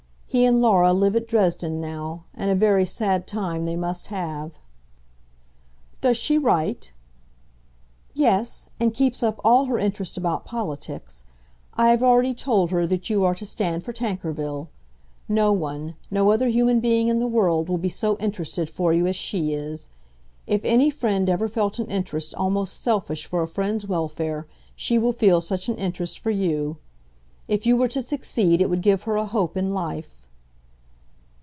He and Laura live at Dresden now, and a very sad time they must have." "Does she write?" "Yes; and keeps up all her interest about politics. I have already told her that you are to stand for Tankerville. No one, no other human being in the world will be so interested for you as she is. If any friend ever felt an interest almost selfish for a friend's welfare, she will feel such an interest for you. If you were to succeed it would give her a hope in life."